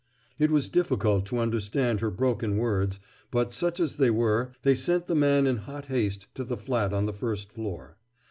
It was difficult to understand her broken words, but, such as they were, they sent the man in hot haste to the flat on the first floor.